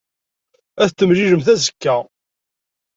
Ad t-temlilemt azekka.